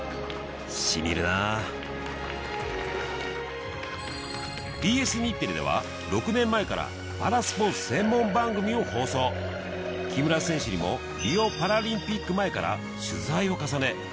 染みるなＢＳ日テレでは６年前からパラスポーツ専門番組を放送木村選手にもリオパラリンピック前から取材を重ね